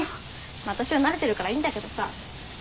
私は慣れてるからいいんだけどさ。